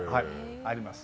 あります。